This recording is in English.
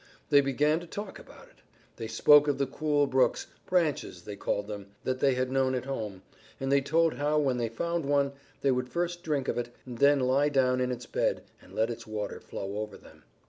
They began to talk about it. They spoke of the cool brooks, "branches" they called them, that they had known at home, and they told how, when they found one, they would first drink of it, and then lie down in its bed and let its water flow over them.